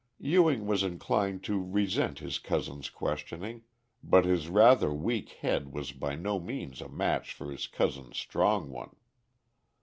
Ewing was inclined to resent his cousin's questioning, but his rather weak head was by no means a match for his cousin's strong one.